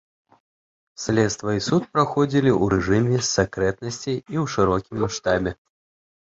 Следства і суд праходзілі ў рэжыме сакрэтнасці і ў шырокім маштабе.